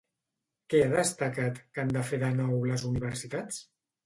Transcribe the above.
Què ha destacat que han de fer de nou les universitats?